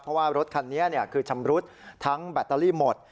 เพราะว่ารถคันนี้คือชำรุดทั้งแบตเตอรี่หมด